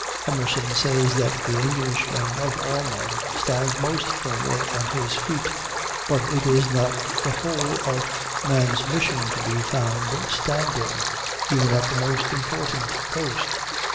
Emerson says that the Englishman of all men stands most firmly on his feet. But it is not the whole of man's mission to be found standing, even at the most important post.